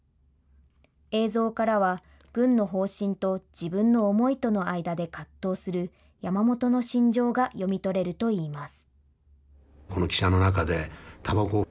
映像からは、軍の方針と自分の思いとの間で葛藤する山本の心情が読み取れるといいます。